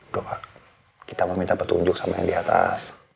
doa kita mau minta petunjuk sama yang di atas